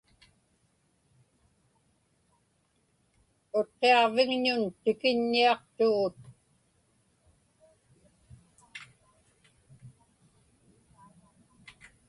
Utqiaġvignuñ tikiññiaqtugut.